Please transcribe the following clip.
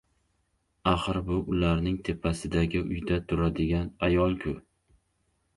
Axir, bu ularning tepasidagi uyda turadigan ayol-ku.